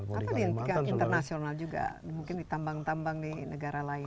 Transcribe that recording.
atau di tingkat internasional juga mungkin di tambang tambang di negara lain